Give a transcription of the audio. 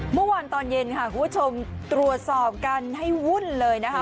เมื่อวานตอนเย็นค่ะคุณผู้ชมตรวจสอบกันให้วุ่นเลยนะคะ